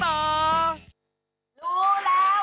รู้แล้วบอกต่อ